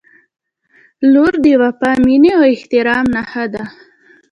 • لور د وفا، مینې او احترام نښه ده.